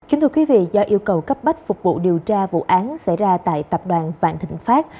kính thưa quý vị do yêu cầu cấp bách phục vụ điều tra vụ án xảy ra tại tập đoàn vạn thịnh pháp